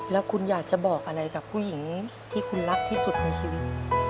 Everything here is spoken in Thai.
แล้วคุณอยากจะบอกอะไรกับผู้หญิงที่คุณรักที่สุดในชีวิต